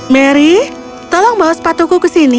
mary tolong bawa sepatuku ke sini